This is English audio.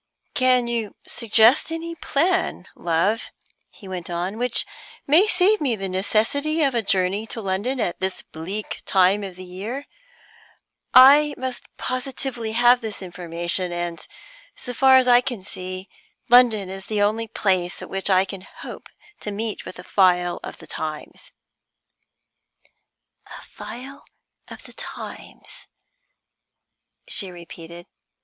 "Can you suggest any plan, love," he went on, "which may save me the necessity of a journey to London at this bleak time of the year? I must positively have this information, and, so far as I can see, London is the only place at which I can hope to meet with a file of the Times." "A file of the Times?" she repeated.